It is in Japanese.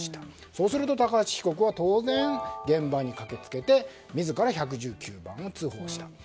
そうすると高橋被告は当然現場に駆け付けて自ら１１９番通報をしたと。